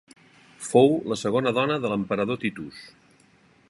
Fou la segona dona de l'emperador Titus.